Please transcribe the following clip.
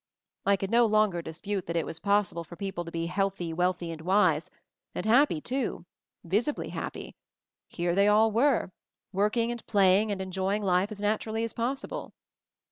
I could no longer dispute that it was possible for people to be "healthy, wealthy and wise"; and happy, too — visibly happy — here they all were; working and playing and enjoying life as naturally as possible.